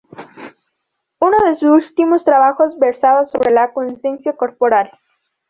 Uno de sus últimos trabajos versaba sobre la 'conciencia corporal'.